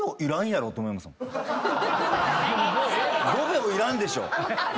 ５秒いらんでしょ。